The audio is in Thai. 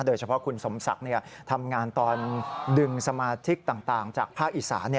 โดยเฉพาะคุณสมศักดิ์ทำงานตอนดึงสมาชิกต่างจากภาคอีสาน